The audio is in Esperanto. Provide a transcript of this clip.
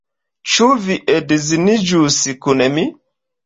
Ĉu vi edziniĝus kun mi?